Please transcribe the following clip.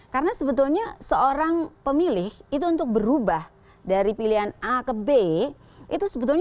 karena sebetulnya seorang pemilih itu untuk berubah dari pilihan a ke b itu sebetulnya